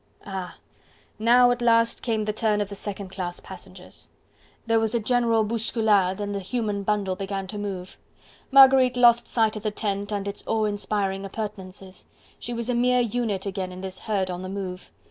Ah! now at last came the turn of the second class passengers! There was a general bousculade and the human bundle began to move. Marguerite lost sight of the tent and its awe inspiring appurtenances: she was a mere unit again in this herd on the move.